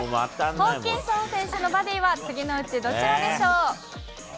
ホーキンソン選手のバディは、次のうち、どちらでしょう？